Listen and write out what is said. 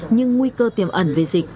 nhưng nguy cơ tiềm ẩn về dịch